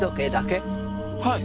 はい。